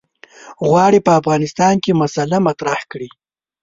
غواړي په افغانستان کې مسأله مطرح کړي.